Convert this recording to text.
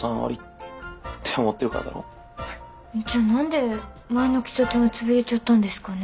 じゃあ何で前の喫茶店は潰れちゃったんですかね？